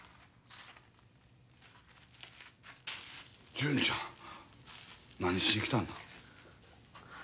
純ちゃん何しに来たんな？